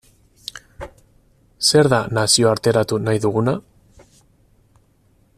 Zer da nazioarteratu nahi duguna?